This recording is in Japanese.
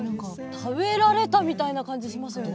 食べられたみたいな感じしますよね。